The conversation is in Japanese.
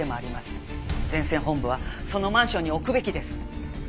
前線本部はそのマンションに置くべきです。